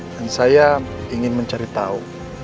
dan saya ingin mencari tahu